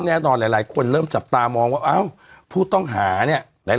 แน่นอนหลายคนเริ่มจับตามองว่าพูดต้องหาเนี่ย